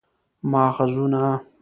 ماخذونه: